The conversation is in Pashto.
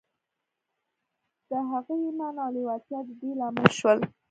د هغه ايمان او لېوالتیا د دې لامل شول.